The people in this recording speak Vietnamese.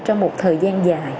trong một thời gian dài